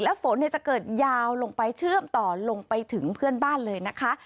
ฝนจะเกิดยาวลงไปเชื่อมต่อลงไปถึงเพื่อนบ้านเลยนะคะ